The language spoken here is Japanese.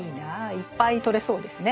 いっぱいとれそうですね。